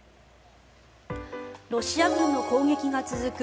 ロシア軍の攻撃が続く